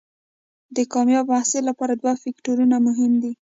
د کامیاب محصل لپاره دوه فکتورونه مهم دي.